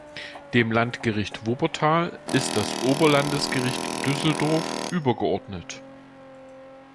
Dem Landgericht Wuppertal ist das Oberlandesgericht Düsseldorf übergeordnet.